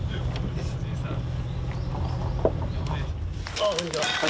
ああこんにちは。